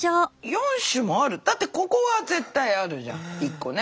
だってここは絶対あるじゃん１個ね。